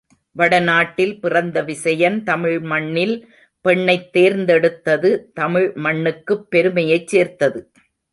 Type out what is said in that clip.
வட நாட்டில் பிறந்த விசயன் தமிழ் மண்ணில் பெண்ணைத் தேர்ந்தெடுத்தது தமிழ் மண்ணுக்குப் பெருமையைச் சேர்த்தது.